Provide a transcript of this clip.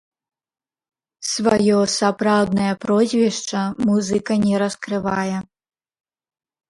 Сваё сапраўднае прозвішча музыка не раскрывае.